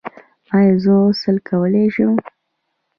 ایا زه غسل کولی شم؟